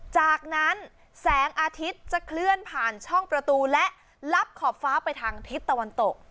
จากนั้นแสงอาทิตย์จะเคลื่อนผ่านช่องประตูและลับขอบฟ้าไปทางทิศตะวันตก